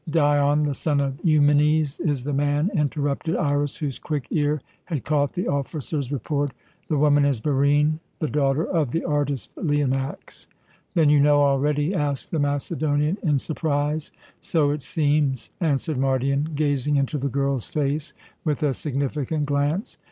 "Dion, the son of Eumenes, is the man," interrupted Iras, whose quick ear had caught the officer's report. "The woman is Barine, the daughter of the artist Leonax." "Then you know already?" asked the Macedonian in surprise. "So it seems," answered Mardion, gazing into the girl's face with a significant glance.